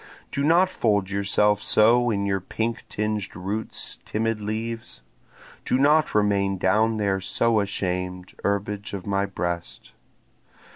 Do not fold yourself so in your pink tinged roots timid leaves! Do not remain down there so ashamed, herbage of my breast!